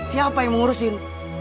siapa yang mengurusin